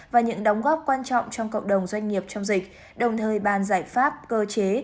và những đóng góp quan trọng trong cộng đồng doanh nghiệp trong dịch đồng thời bàn giải pháp cơ chế